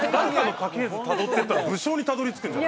家系図たどっていったら武将にたどり着くんじゃない？